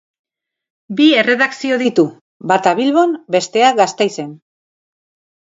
Bi erredakzio ditu, bata Bilbon, bestea Gasteizen.